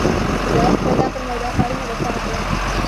زه به وخت پیدا کړم او دا کارونه به پاک کړم